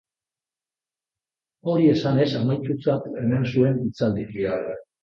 Hori esanez amaitutzat eman zuen hitzaldia.